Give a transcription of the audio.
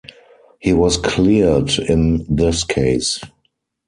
He was cleared in this case.